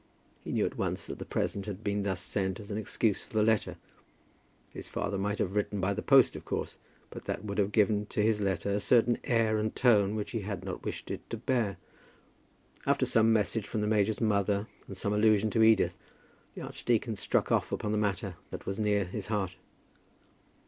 He knew at once that the present had been thus sent as an excuse for the letter. His father might have written by the post, of course; but that would have given to his letter a certain air and tone which he had not wished it to bear. After some message from the major's mother, and some allusion to Edith, the archdeacon struck off upon the matter that was near his heart.